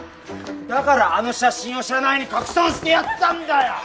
だからあの写真を社内に拡散してやったんだよ！